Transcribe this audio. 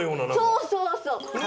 そうそうそう。